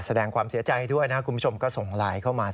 แสดงความเสียใจด้วยนะ